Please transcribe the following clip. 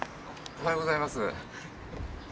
おはようございます。